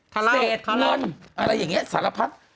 เศษเงินอะไรอย่างนี้สารพัด